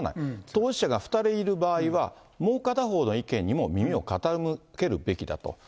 当事者が２人いる場合は、もう片方の意見にも耳を傾けるべきだと。